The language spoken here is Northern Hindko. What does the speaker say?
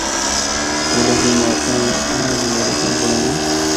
سکولاں دیاں عمارتاں اِناں دی مدد نال بنڑائیاں۔